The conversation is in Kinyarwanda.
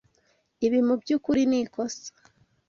Ibi, mubyukuri, ni ikosa.